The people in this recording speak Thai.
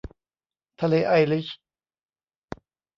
ทะเลไอริช